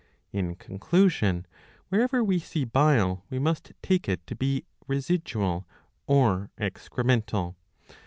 '^ In con clusion, wherever we see bile we must take it to be residual or excremental.